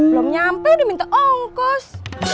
belum nyampe udah minta ongkos